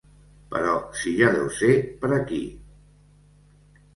Però si ja deu ser per aquí.